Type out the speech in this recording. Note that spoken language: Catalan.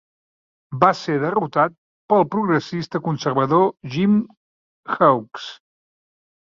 Va ser derrotat pel progressista conservador Jim Hawkes.